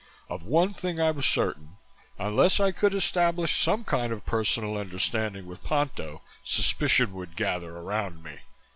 Of one thing I was certain, unless I could establish some kind of personal understanding with Ponto, suspicion would gather around me.